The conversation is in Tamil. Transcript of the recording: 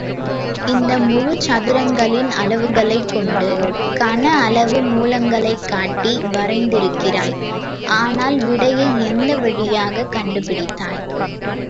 இந்த முழுச்சதுரங்களின் அளவுகளைக் கொண்டு கனஅளவு மூலங்களைக்காட்டி வரைந்திருக்கிறாய், ஆனால் விடையை எந்த வழியாகக் கண்டு பிடித்தாய்?